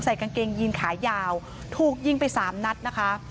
กางเกงยีนขายาวถูกยิงไปสามนัดนะคะ